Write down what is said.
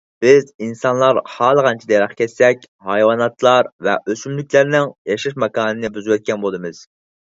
بىز ئىنسانلار خالىغانچە دەرەخ كەسسەك، ھايۋاناتلار ۋە ئۆسۈملۈكلەرنىڭ ياشاش ماكانىنى بۇزۇۋەتكەن بولىمىز.